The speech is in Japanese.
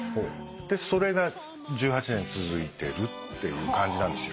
それが１８年続いてるっていう感じなんですよ。